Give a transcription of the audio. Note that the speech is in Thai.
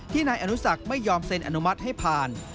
นายอนุสักไม่ยอมเซ็นอนุมัติให้ผ่าน